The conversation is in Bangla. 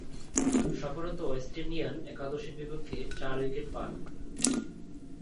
সফররত ওয়েস্ট ইন্ডিয়ান একাদশের বিপক্ষে চার উইকেট পান।